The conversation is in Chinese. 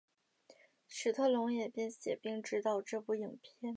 史特龙也编写并执导这部影片。